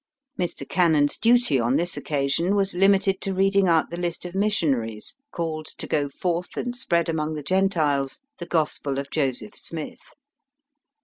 Mr. Cannon's duty on this occasion was limited to reading out the list of missionaries called to go forth and spread among the Gentiles the Gospel of Joseph Smith.